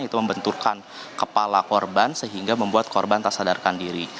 yaitu membenturkan kepala korban sehingga membuat korban tersadarkan diri